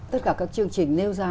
tất cả các chương trình nêu ra